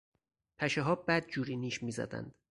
پشهها بدجور نیش میزدند.